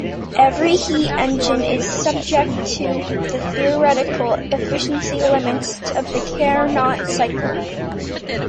Every heat engine is subject to the theoretical efficiency limits of the Carnot cycle.